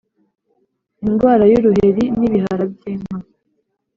indwara y uruheri n ibihara by inka